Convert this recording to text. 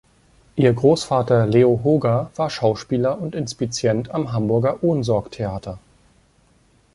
Ihr Großvater Leo Hoger war Schauspieler und Inspizient am Hamburger Ohnsorg-Theater.